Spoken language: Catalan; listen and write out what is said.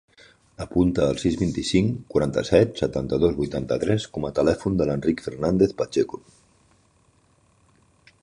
Apunta el sis, vint-i-cinc, quaranta-set, setanta-dos, vuitanta-tres com a telèfon de l'Enric Fernandez Pacheco.